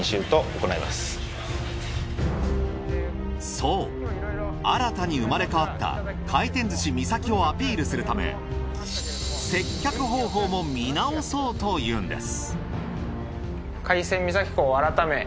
そう新たに生まれ変わった回転寿司みさきをアピールするため接客方法も見直そうというんです。